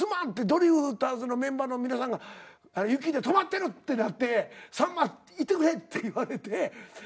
ドリフターズのメンバーの皆さんが雪で止まってるってなって「さんま行ってくれ」って言われて。